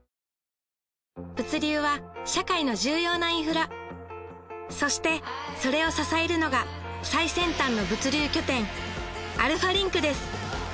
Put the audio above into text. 物流は社会の重要なインフラそしてそれを支えるのが最先端の物流拠点アルファリンクです